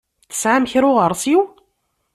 Tesɛam kra n uɣeṛsiw?